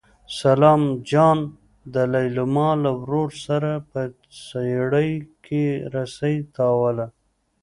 سلام جان د لېلما له ورور سره په څېړۍ کې رسۍ تاووله.